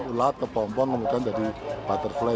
ulat kepompong kemudian jadi butterfly